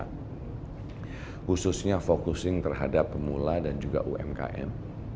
khususnya fokusnya terhadap pemula dan juga umkm